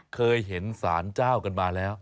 เคยเห็นสารเจ้ากันมาแล้ว